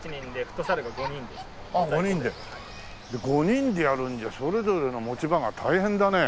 ５人でやるんじゃそれぞれの持ち場が大変だね。